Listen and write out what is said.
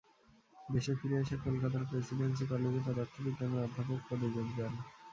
দেশে ফিরে এসে কলকাতার প্রেসিডেন্সি কলেজে পদার্থবিজ্ঞানের অধ্যাপক পদে যোগ দেন।